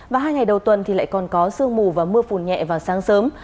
và hai ngày đầu tuần thì lại còn có sương mù và mưa phùn nhẹ vào sáng sớm